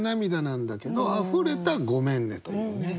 なんだけど「溢れた『ごめんね』」というね。